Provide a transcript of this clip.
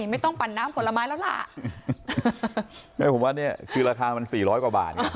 ไม่ต้องปั่นน้ำผลไม้แล้วล่ะไม่ผมว่าเนี่ยคือราคามัน๔๐๐กว่าบาทไง